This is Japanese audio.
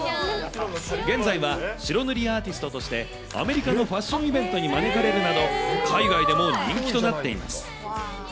現在は白塗りアーティストとして、アメリカのファッションイベントに招かれるなど、海外でも人気となっています。